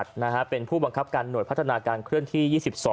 เป็นผู้บังคับการหน่วยพัฒนาการเคลื่อนที่๒๒